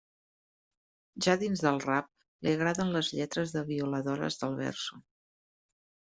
Ja dins del rap, li agraden les lletres de Violadores del verso.